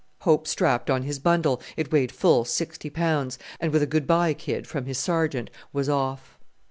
Hope strapped on his bundle it weighed full sixty pounds and with a "Good bye, kid," from his Sergeant was off.